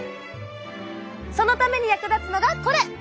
そのために役立つのがこれ！